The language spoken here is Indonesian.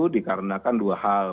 dikarenakan dua hal